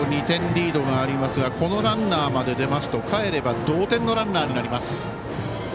２点リードがありますがこのランナーまで出ますとかえれば同点のランナー。